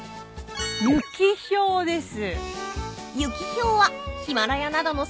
ユキヒョウです。